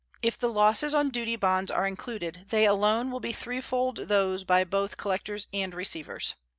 If the losses on duty bonds are included, they alone will be threefold those by both collectors and receivers.